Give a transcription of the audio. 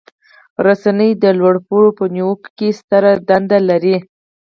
رسنۍ د لوړ پوړو په نیوکو کې ستره دنده لري.